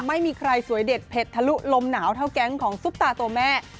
ไม่มีใครสวยเด็ดเผ็ดทะลุลมหนาวเท่าแก๊งของซุปตาตัวแม่